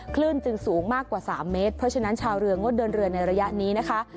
คลื่นจึงสูงมากกว่า๓เมตรเพราะฉะนั้นชาวเรืองดเดินเรือในระยะนี้นะคะ